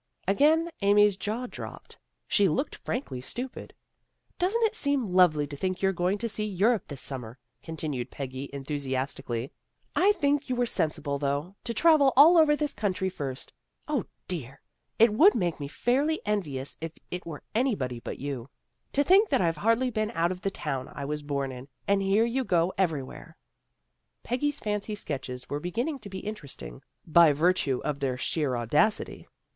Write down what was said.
Again Amy's jaw dropped. She looked frankly stupid. " Doesn't it seem lovely to think you're going to see Europe this summer? " continued AMY IS DISILLUSIONED 309 Peggy enthusiastically. " I think you were sensible though, to travel all over this country first. 0, dear! It would make me fairly en vious if it were anybody but you. To think that I've hardly been out of the town I was born in, and here you go everywhere." Peggy's fancy sketches were beginning to be interesting, by virtue of their sheer audacity.